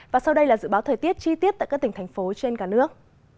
và sau đây là dự báo thời tiết chi tiết tại các tỉnh thành phố trên cả nước